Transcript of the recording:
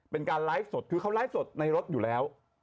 เป็นการไลฟ์สดคือเขาไลฟ์สดในรถอยู่แล้ว